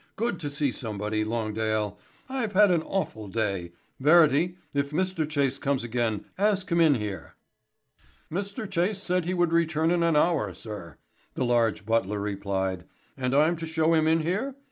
"Good to see somebody, Longdale. I've had an awful day. Verity, if Mr. Chase comes again ask him in here." "Mr. Chase said he would return in an hour, sir," the large butler replied. "And I'm to show him in here?